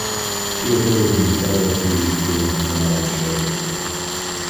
She appears in several TV series and reality shows.